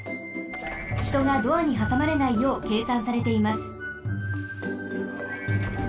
ひとがドアにはさまれないようけいさんされています。